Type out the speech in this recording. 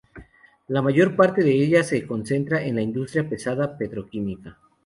La mayor parte de ella se concentra en la industria pesada petroquímica.